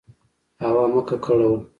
هوا مه ککړوه.